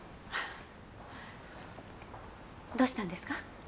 どうしたんですか？